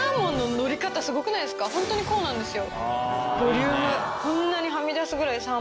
ホントにこうなんですよ。